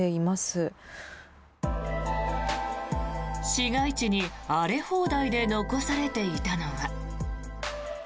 市街地に荒れ放題で残されていたのは。